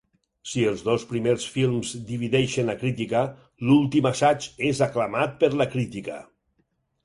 Si els dos primers films divideixen la crítica, l'últim assaig és aclamat per la crítica.